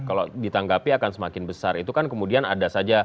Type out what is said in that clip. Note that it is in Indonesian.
kalau ditanggapi akan semakin besar itu kan kemudian ada saja